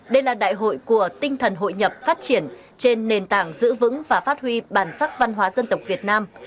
đây là đại hội của tinh thần hội nhập phát triển trên nền tảng giữ vững và phát huy bản sắc văn hóa dân tộc việt nam